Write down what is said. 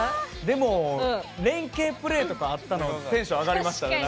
でも連係プレーとかあったのテンション上がりましたね何か。